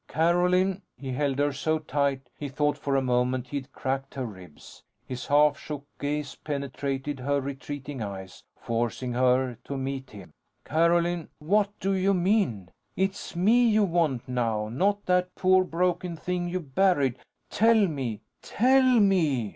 "Carolyn!" He held her so tight he thought for a moment he'd cracked her ribs. His half shook gaze penetrated her retreating eyes, forcing her to meet him. "Carolyn! What do you mean it's me you want now, not that poor broken thing you buried? Tell me. TELL ME!"